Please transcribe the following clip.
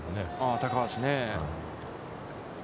高橋ね。